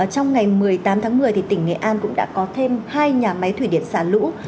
trong ngày một mươi tám tháng một mươi tỉnh nghệ an cũng đã có thêm hai nhà máy thủy điện xả lũ